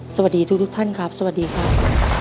สวัสดีทุกท่านครับสวัสดีครับ